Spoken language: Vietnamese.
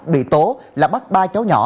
bị tố là bắt ba cháu nhỏ